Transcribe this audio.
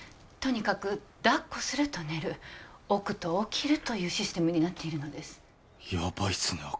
とにかくだっこすると寝る置くと起きるというシステムになっているのですやばいっすね